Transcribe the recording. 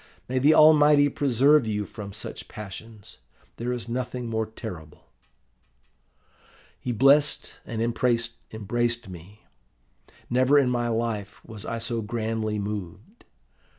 May the Almighty preserve you from such passions! There is nothing more terrible.' "He blessed and embraced me. Never in my life was I so grandly moved.